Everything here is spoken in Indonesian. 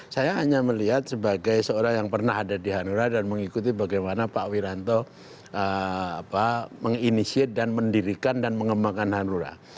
saya hanya melihat sebagai seorang yang pernah ada di hanura dan mengikuti bagaimana pak wiranto menginisiat dan mendirikan dan mengembangkan hanura